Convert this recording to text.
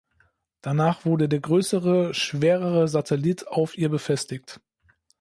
Danach wurde der größere, schwerere Satellit auf ihr befestigt.